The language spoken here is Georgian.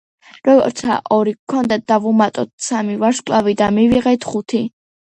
როცა ორი გვქონდა, დავუმატეთ სამი ვარსკვლავი და მივიღეთ ხუთი.